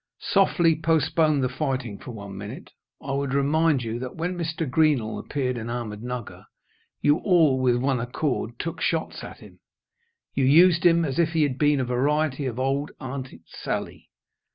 "Softly. Postpone the fighting for one minute. I would remind you that, when Mr. Greenall appeared in Ahmednugger, you all, with one accord, took shots at him. You used him as if he had been a variety of old Aunt Sally.